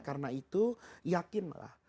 karena itu yakin lah